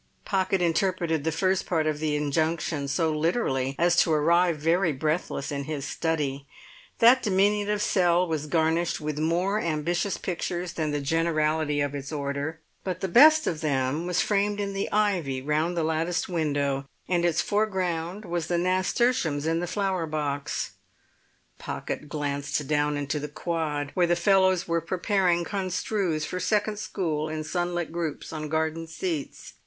Pocket interpreted the first part of the injunction so literally as to arrive very breathless in his study. That diminutive cell was garnished with more ambitious pictures than the generality of its order; but the best of them was framed in the ivy round the lattice window, and its foreground was the nasturtiums in the flower box. Pocket glanced down into the quad, where the fellows were preparing construes for second school in sunlit groups on garden seats.